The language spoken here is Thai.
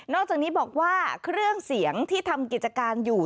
อกจากนี้บอกว่าเครื่องเสียงที่ทำกิจการอยู่